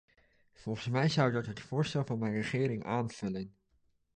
Volgens mij zou dat het voorstel van mijn regering aanvullen.